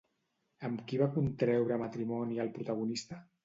Amb qui va contreure matrimoni el protagonista?